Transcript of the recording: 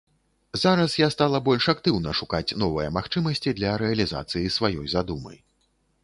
Зараз я стала больш актыўна шукаць новыя магчымасці для рэалізацыі сваёй задумы.